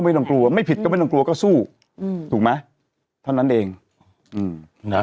ไม่ต้องกลัวไม่ผิดก็ไม่ต้องกลัวก็สู้อืมถูกไหมเท่านั้นเองอืมนะ